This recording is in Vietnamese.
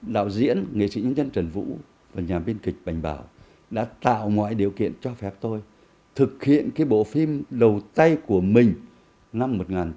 đạo diễn nghệ sĩ nhân dân trần vũ và nhà biên kịch bành bảo đã tạo ngoại điều kiện cho phép tôi thực hiện cái bộ phim đầu tay của mình năm một nghìn chín trăm tám mươi